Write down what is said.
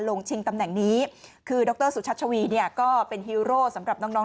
ชิงตำแหน่งนี้คือดรสุชัชวีเนี่ยก็เป็นฮีโร่สำหรับน้องน้อง